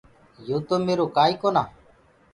يو تو ميرو ڪآ ئيٚ ڪونآ۔